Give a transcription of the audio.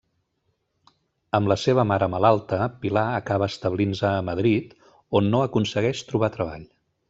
Amb la seva mare malalta, Pilar acaba establint-se a Madrid, on no aconsegueix trobar treball.